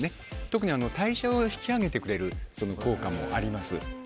特に代謝を引き上げてくれる効果もあります。